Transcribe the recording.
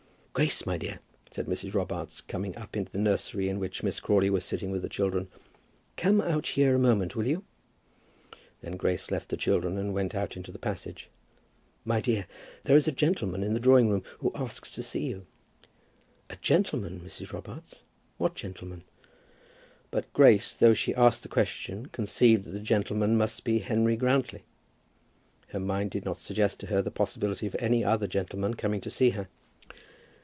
"Grace, my dear," said Mrs. Robarts, coming up into the nursery in which Miss Crawley was sitting with the children, "come out here a moment, will you?" Then Grace left the children and went out into the passage. "My dear, there is a gentleman in the drawing room who asks to see you." "A gentleman, Mrs. Robarts! What gentleman?" But Grace, though she asked the question, conceived that the gentleman must be Henry Grantly. Her mind did not suggest to her the possibility of any other gentleman coming to see her.